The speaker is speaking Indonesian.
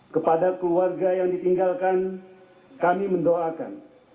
kepada keluarga yang ditinggalkan kami mendoakan